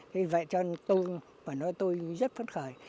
thế vậy cho tôi tôi rất phấn khởi